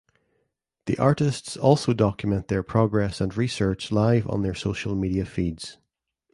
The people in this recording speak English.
The artists also document their progress and research live on their social media feeds.